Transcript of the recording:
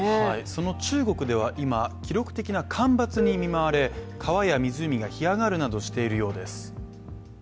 その中国では今、記録的な干ばつに見舞われ、川や湖が干上がるなどしているようです。